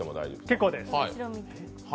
結構です。